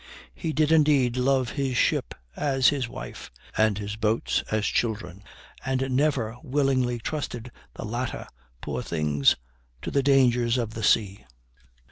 He did, indeed, love his ship as his wife, and his boats as children, and never willingly trusted the latter, poor things! to the dangers of the sea.